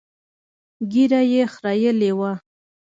ږيره يې خرييلې وه.